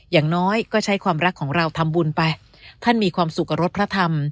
อย่างน้อยก็ใช้ความรักของเราทำบุญไปท่านมีความสุขกับรถพระธรรม